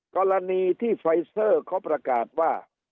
กรณีที่ไฟเซอร์เขาประกาศว่า